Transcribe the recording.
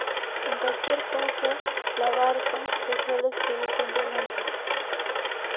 En cualquier caso "Labarca" se suele escribir siempre junto.